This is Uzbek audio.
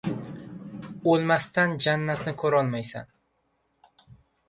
• O‘lmasdan jannatni ko‘rolmaysan.